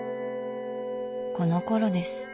このころです。